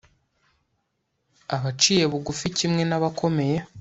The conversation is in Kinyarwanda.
abaciye bugufi kimwe n'abakomeye